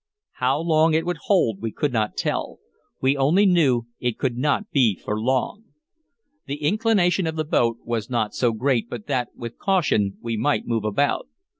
How long it would hold we could not tell; we only knew it could not be for long. The inclination of the boat was not so great but that, with caution, we might move about.